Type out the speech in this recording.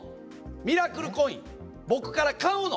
ミラクルコイン、僕から買うの？